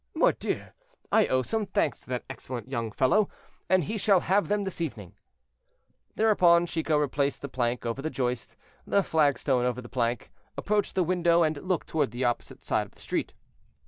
Mordieux! I owe some thanks to that excellent young fellow, and he shall have them this evening." Thereupon Chicot replaced the plank over the joist, the flagstone over the plank, approached the window, and looked toward the opposite side of the street.